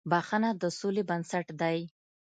• بښنه د سولې بنسټ دی.